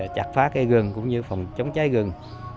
chặt phá cây rừng cũng như phòng chống cháy rừng